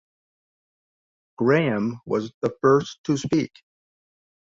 Graham was the first to speak.